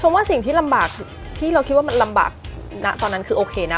ชมว่าสิ่งที่เราคิดว่ามันลำบากตอนนั้นคือโอเคนะ